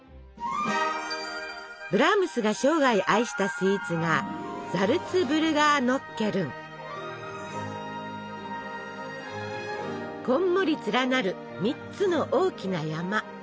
ブラームスが生涯愛したスイーツがこんもり連なる３つの大きな山。